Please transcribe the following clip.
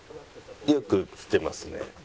よく来てますね。